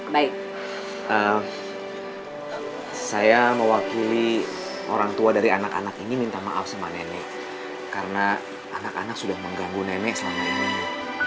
baik saya mewakili orang tua dari anak anak ini minta maaf sama nenek karena anak anak sudah mengganggu nenek selama ini